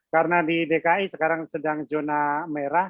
karena di dki sekarang sedang zona merah